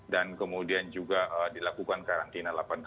dan kemudian juga dilakukan karantina